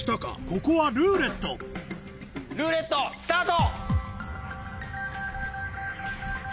ここは「ルーレット」ルーレットスタート！